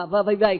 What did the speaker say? và vậy vậy